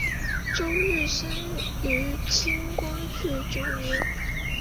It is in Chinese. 周珏生于清光绪九年。